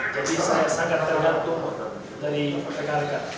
jadi saya sangat tergantung dari rekan rekan